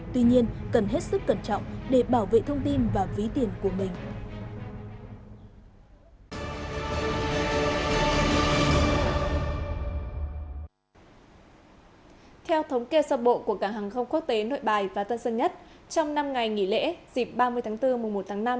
tuy nhiên cần hết sức cẩn trọng để bảo vệ thông tin và ví tiền của mình